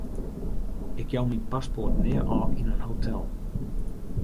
Ik jou myn paspoart nea ôf yn in hotel.